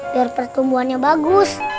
biar pertumbuhannya bagus